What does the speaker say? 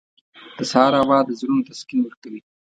• د سهار هوا د زړونو تسکین ورکوي.